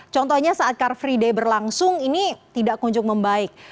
contohnya saat car free day berlangsung ini tidak kunjung membaik